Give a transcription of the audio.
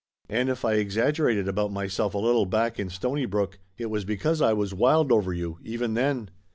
And if I exaggerated about myself a little back in Stonybrook, it was because I was wild over you, even then.